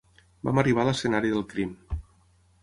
Vam arribar a l'escenari del crim.